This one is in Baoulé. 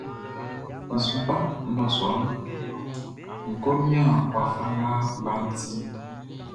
N su ba nnɔsua nun ń kó nían wafa nga baʼn tiʼn.